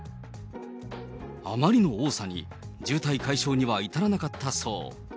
あまりの多さに、渋滞解消には至らなかったそう。